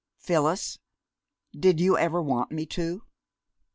Phyllis, did you ever want me to?"